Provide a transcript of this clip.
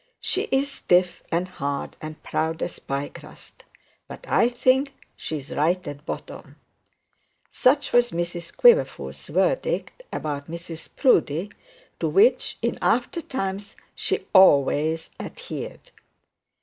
'She's stiff and hard and proud as pie crust, but I think she's right at bottom.' Such was Mrs Quiverful's verdict about Mrs Proudie, to which in after times she always adhered.